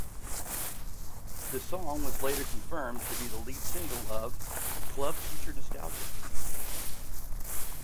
The song was later confirmed to be the lead single of "Club Future Nostalgia".